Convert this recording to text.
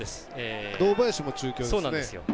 堂林も中京ですね。